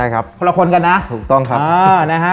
คนละคนกันนะ